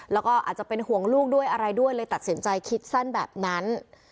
แล้วก็อาจจะเป็นห่วงลูกด้วยอะไรด้วยเลยตัดสินใจคิดสั้นแบบนั้น